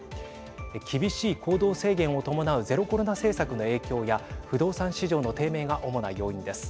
厳しい行動制限を伴うゼロコロナ政策の影響や不動産市場の低迷が主な要因です。